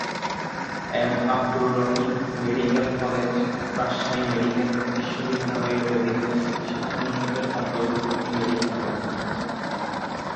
M Abdur Rahim medical college Rajshahi medical বিশ্ববিদ্যালয়ের অধীনে চিকিৎসা অনুষদের অন্তর্ভুক্ত একটি মেডিকেল কলেজ।